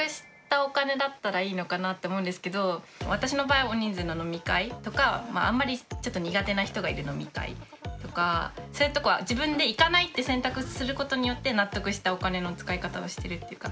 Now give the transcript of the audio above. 私の場合大人数の飲み会とかあんまりちょっと苦手な人がいる飲み会とかそういうところは自分で行かないって選択することによって納得したお金の使い方をしてるっていうか。